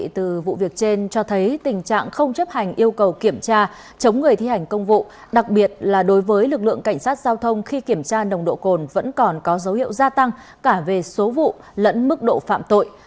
từ vụ việc trên cho thấy tình trạng không chấp hành yêu cầu kiểm tra chống người thi hành công vụ đặc biệt là đối với lực lượng cảnh sát giao thông khi kiểm tra nồng độ cồn vẫn còn có dấu hiệu gia tăng cả về số vụ lẫn mức độ phạm tội